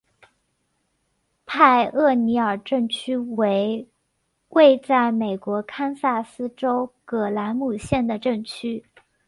派厄尼尔镇区为位在美国堪萨斯州葛兰姆县的镇区。